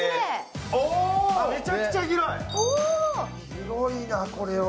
広いなこれは。